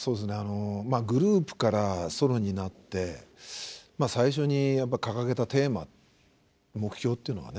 グループからソロになって最初に掲げたテーマ目標というのがね